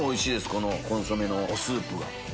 このコンソメのおスープが。